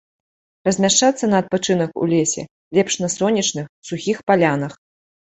Размяшчацца на адпачынак у лесе лепш на сонечных, сухіх палянах.